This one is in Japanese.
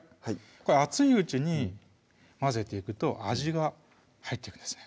熱いうちに混ぜていくと味が入っていくんですね